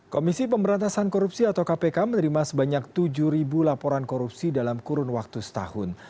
komisi pemberantasan korupsi atau kpk menerima sebanyak tujuh laporan korupsi dalam kurun waktu setahun